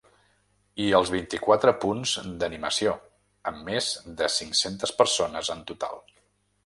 I els vint-i-quatre punts d’animació, amb més de cinc-centes persones en total.